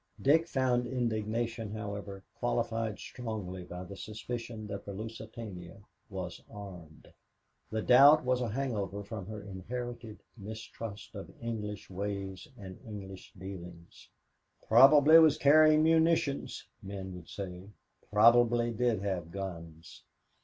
Dick found indignation, however, qualified strongly by the suspicion that the Lusitania was armed. The doubt was a hang over from her inherited mistrust of English ways and English dealings. "Probably was carrying munitions," men would say. "Probably did have guns."